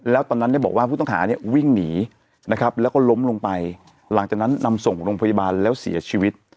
แล้วตอนนั้นเนี่ยบอกว่าผู้ต้องหาเนี่ยวิ่งหนีนะครับแล้วก็ล้มลงไปหลังจากนั้นนำส่งโรงพยาบาลแล้วเสียชีวิต